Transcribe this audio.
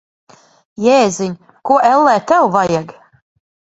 Jēziņ! Ko, ellē, tev vajag?